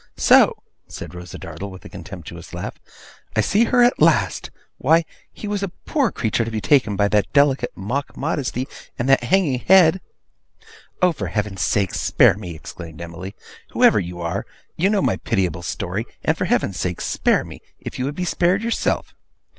'So!' said Rosa Dartle, with a contemptuous laugh, 'I see her at last! Why, he was a poor creature to be taken by that delicate mock modesty, and that hanging head!' 'Oh, for Heaven's sake, spare me!' exclaimed Emily. 'Whoever you are, you know my pitiable story, and for Heaven's sake spare me, if you would be spared yourself!